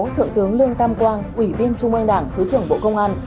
thượng tướng lương tam quang ủy viên trung ương đảng thứ trưởng bộ công an